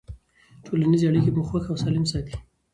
ټولنیزې اړیکې مو خوښ او سالم ساتي.